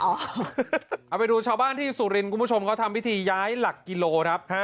เอาไปดูชาวบ้านที่สุรินทร์คุณผู้ชมเขาทำพิธีย้ายหลักกิโลครับ